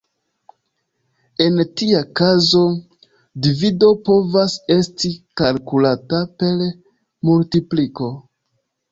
En tia kazo, divido povas esti kalkulata per multipliko.